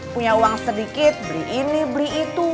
punya uang sedikit beli ini beli itu